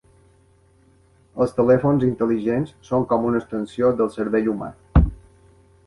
Els telèfons intel·ligents són com una extensió del cervell humà.